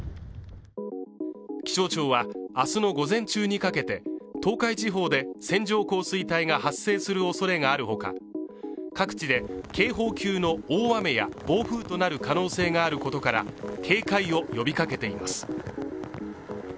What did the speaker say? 気象庁は、明日の午前中にかけて東海地方で線状降水帯が発生するおそれがあるほか各地で警報級の大雨や暴風となる可能性があることから警戒を呼びかけています。